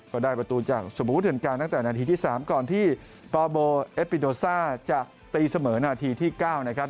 ก็ได้ประตูจากสมบูธันการตั้งแต่นาทีที่๓ก่อนที่ปโบเอฟปิโดซ่าจะตีเสมอนาทีที่๙นะครับ